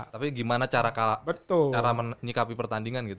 tapi gimana cara menyikapi pertandingan gitu